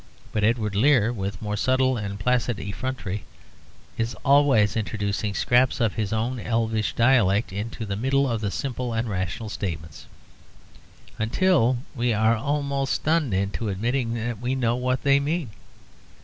But Edward Lear, with more subtle and placid effrontery, is always introducing scraps of his own elvish dialect into the middle of simple and rational statements, until we are almost stunned into admitting that we know what they mean.